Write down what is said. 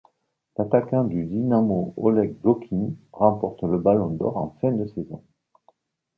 L'attaquant du Dynamo Oleg Blokhine remporte le ballon d'or en fin de saison.